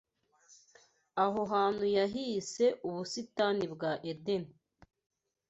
Aho hantu yahise ubusitani bwa Edeni